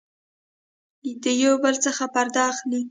د يو بل څخه پرده اخلي